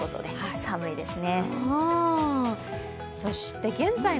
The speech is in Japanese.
寒いですね。